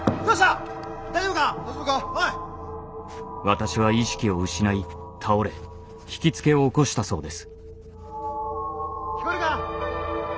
私は意識を失い倒れひきつけを起こしたそうです。